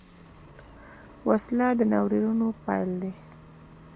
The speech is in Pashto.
وسله د ناورینونو پیل ده